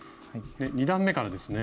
２段めからですね。